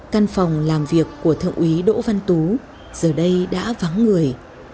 căn phòng làm việc của thượng úy đỗ văn tú giờ đây đã vắng người